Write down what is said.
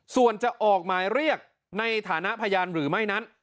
ส่วนจะออกหมายเรียกในฐานะพยานหรือไม่นั้น